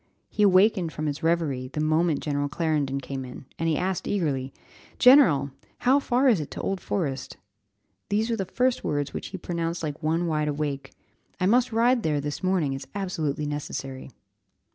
He awakened from his reverie the moment General Clarendon came in, and he asked eagerly, "General! how far is it to Old Forest?" These were the first words which he pronounced like one wide awake. "I must ride there this morning; it's absolutely necessary."